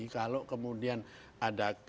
kalau kemudian ada